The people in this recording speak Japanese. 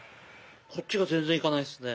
こっちが全然いかないですね。